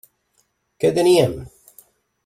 Què teníem?